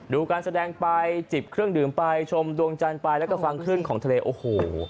ดูการแสดงไปจิบเครื่องดื่มไปชมดวงจันทร์ไปแล้วก็ฟังคลื่นของทะเลโอ้โห